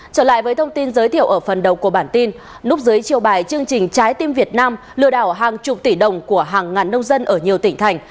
trở lại với thông tin giới thiệu ở phần đầu của bản tin lúc dưới chiều bài chương trình trái tim việt nam lừa đảo hàng chục tỷ đồng của hàng ngàn nông dân ở nhiều tỉnh thành